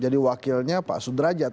jadi wakilnya pak sudrajat